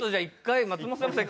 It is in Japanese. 松本さんも。